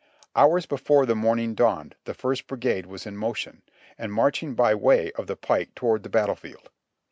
Hours before the morning dawned the First Brigade was in motion, and marching by way of the pike toward the battle field.